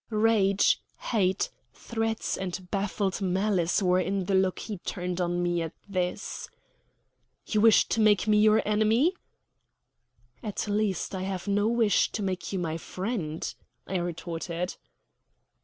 Rage, hate, threats, and baffled malice were in the look he turned on me at this. "You wish to make me your enemy?" "At least I have no wish to make you my friend," I retorted.